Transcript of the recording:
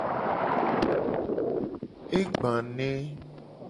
E gba ne.